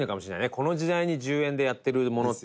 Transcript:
この時代に１０円でやってるものって。